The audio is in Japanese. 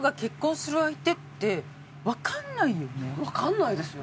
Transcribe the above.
でも絶対わかんないですよね。